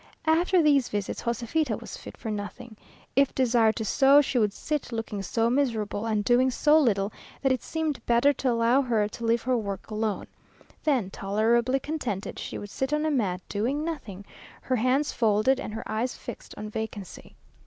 After these visits, Joséfita was fit for nothing. If desired to sew, she would sit looking so miserable, and doing so little, that it seemed better to allow her to leave her work alone. Then, tolerably contented, she would sit on a mat, doing nothing, her hands folded, and her eyes fixed on vacancy.